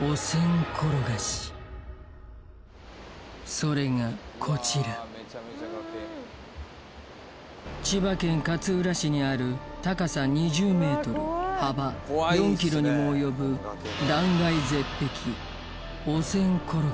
それがこちら千葉県勝浦市にある高さ２０ｍ幅４ｋｍにも及ぶ断崖絶壁